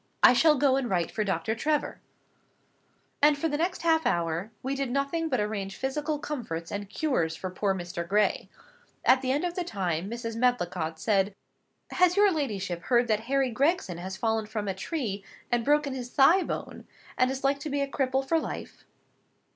I shall go and write for Dr. Trevor." And for the next half hour, we did nothing but arrange physical comforts and cures for poor Mr. Gray. At the end of the time, Mrs. Medlicott said— "Has your ladyship heard that Harry Gregson has fallen from a tree, and broken his thigh bone, and is like to be a cripple for life?"